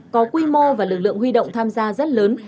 có quy mô và lực lượng huy động tham gia rất lớn